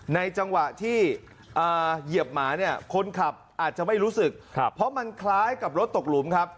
จังหวะที่เหยียบหมาเนี่ยคนขับอาจจะไม่รู้สึกเพราะมันคล้ายกับรถตกหลุมครับ